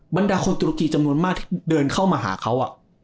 บรรดาคนตุรกีจำนวนมากที่เดินเข้ามาหาเขา